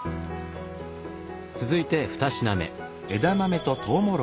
続いて２品目。